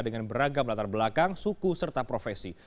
dengan beragam latar belakang suku serta profesi